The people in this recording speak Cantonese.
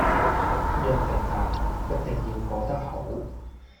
約定吧......一定要過得好